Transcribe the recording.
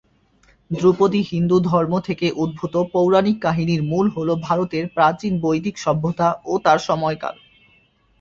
ধ্রুপদী হিন্দুধর্ম থেকে উদ্ভূত পৌরাণিক কাহিনির মূল হল ভারতের প্রাচীন বৈদিক সভ্যতা ও তার সময়কাল।